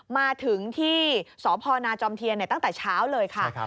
มาถึงที่สพนาจอมเทียนตั้งแต่เช้าเลยค่ะ